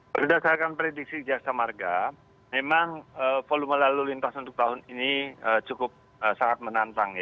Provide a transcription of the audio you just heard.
berdasarkan prediksi jasa marga memang volume lalu lintas untuk tahun ini cukup sangat menantang